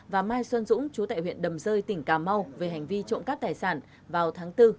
và mai xuân dũng chú tại huyện đầm rơi tỉnh cà mau về hành vi trộm cắp tài sản vào tháng bốn